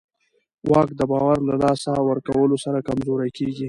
واک د باور له لاسه ورکولو سره کمزوری کېږي.